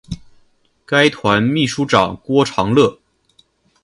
该团秘书长郭长乐。